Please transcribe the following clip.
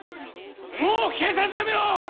もう警察辞めろ‼